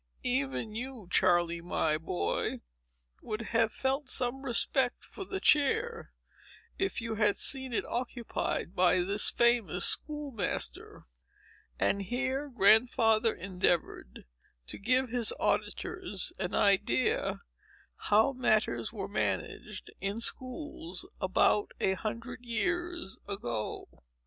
Even you, Charley, my boy, would have felt some respect for the chair, if you had seen it occupied by this famous school master." And here Grandfather endeavored to give his auditors an idea how matters were managed in schools above a hundred years ago.